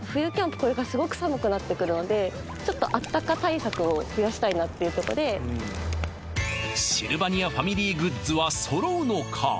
これからすごく寒くなってくるのでちょっとあったか対策を増やしたいなっていうとこでシルバニアファミリーグッズは揃うのか？